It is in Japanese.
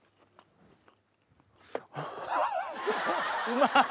うまい！